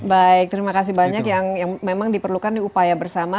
baik terima kasih banyak yang memang diperlukan diupaya bersama